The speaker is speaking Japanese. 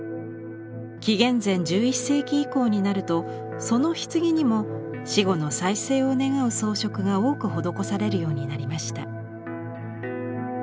紀元前１１世紀以降になるとその棺にも死後の再生を願う装飾が多く施されるようになりました。